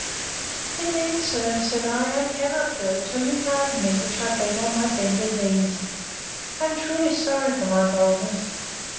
Indeed, sir, said I, I cannot go, till you pardon me, which I beg on my bended knees. I am truly sorry for my boldness.